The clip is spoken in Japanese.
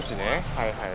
はいはい。